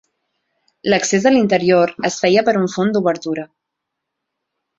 L'accés a l'interior es feia per un front d'obertura.